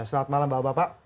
selamat malam bapak bapak